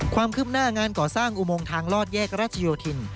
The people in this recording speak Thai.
ความคืบหน้างานก่อสร้างอุโมงทางลอดแยกรัชโยธิน